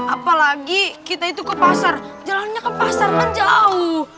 apalagi kita itu ke pasar jalannya ke pasar kan jauh